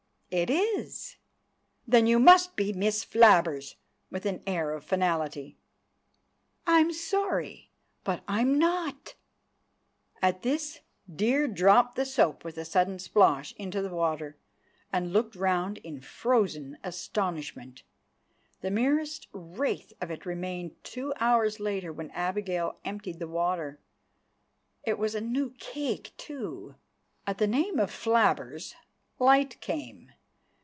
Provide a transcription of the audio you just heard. "It is." "Then you must be Miss Flabbers!"—with an air of finality. "I'm sorry, but I'm not!" At this, Dear dropped the soap with a sudden splosh into the water and looked round in frozen astonishment. (The merest wraith of it remained two hours later when Abigail emptied the water. It was a new cake, too!) At the name of Flabbers, light came.